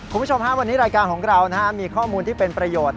คุณผู้ชมฮะวันนี้รายการของเรามีข้อมูลที่เป็นประโยชน์